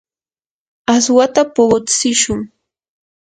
aswata puqutsishun.